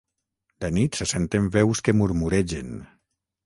De nit se senten veus que murmuregen.